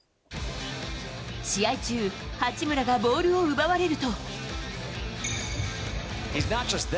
試合中、八村がボールを奪われると。